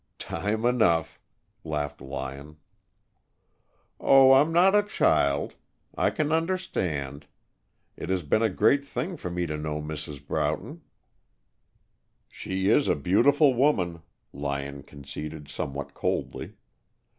"Time enough," laughed Lyon. "Oh, I'm not a child. I can understand. It has been a great thing for me to know Mrs. Broughton." "She is a beautiful woman," Lyon conceded, somewhat coldly.